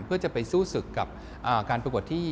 เพื่อจะไปสู้ศึกกับการประกวดที่